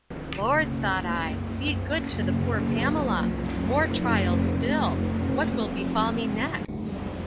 Lord, thought I, be good to the poor Pamela! More trials still!—What will befall me next?